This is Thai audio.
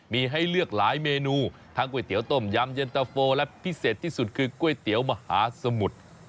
มีให้เลือกหลายเมนูทั้งก๋วยเตี๋ยต้มยำเย็นตะโฟและพิเศษที่สุดคือก๋วยเตี๋ยวมหาสมุทร